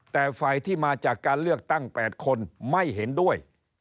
แต่ฝ่ายที่มาจากการเลือกตั้ง๘คนไม่เห็นด้วย